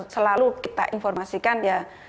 selalu kita informasikan ya